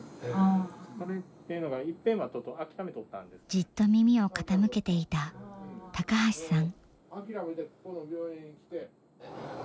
じっと耳を傾けていた高橋さん。